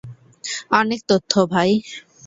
অনেক তথ্য, ভাই।